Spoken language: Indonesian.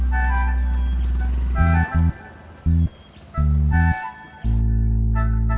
soh di sini keilo di mana